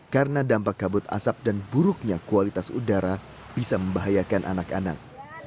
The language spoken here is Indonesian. karena dampak kabut asap dan buruknya kualitas udara bisa membahayakan anak anak